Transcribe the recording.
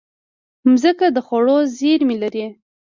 مځکه د خوړو زېرمې لري.